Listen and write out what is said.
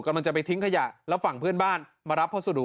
กำลังจะไปทิ้งขยะแล้วฝั่งเพื่อนบ้านมารับพัสดุ